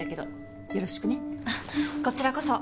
こちらこそ。